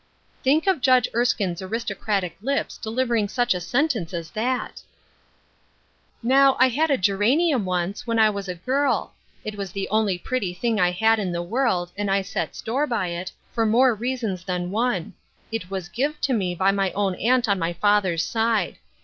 Think of Judge Erskine's aristocratic lips delivering such a sentence as that I " Now, I had a geranium once, when I was a girl. It was the only pretty thing I had in the world, and I set store by it, for more reasons than one. It was give to me by my own aunt on my father's side.